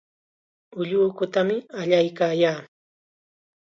Ullukutam allaykaayaa.